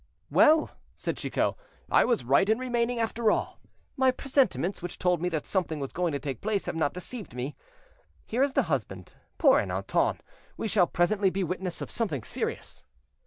"Well," said Chicot, "I was right in remaining, after all; my presentiments, which told me that something was going to take place, have not deceived me. Here is the husband, poor Ernanton; we shall presently be witness of something serious.